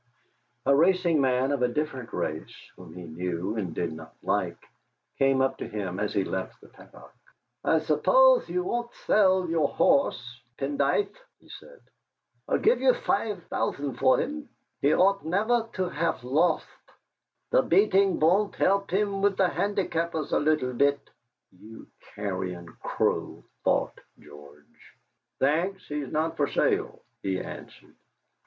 A racing man of a different race, whom he knew and did not like, came up to him as he left the paddock. "I suppothe you won't thell your horse, Pendythe?" he said. "I'll give you five thou. for him. He ought never to have lotht; the beating won't help him with the handicappers a little bit." '.ou carrion crow!' thought George. "Thanks; he's not for sale," he answered.